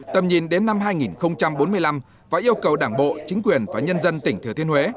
tầm nhìn đến năm hai nghìn bốn mươi năm và yêu cầu đảng bộ chính quyền và nhân dân tỉnh thừa thiên huế